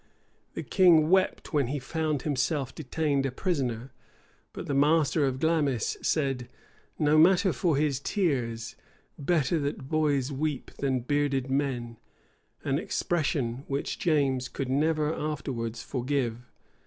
The king wept when he found himself detained a prisoner but the master of Glamis said, "No matter for his tears, better that boys weep than bearded men;" an expression which James could never afterwards forgive.